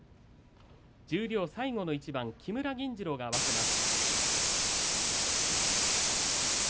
十両最後の一番木村銀治郎が合わせます。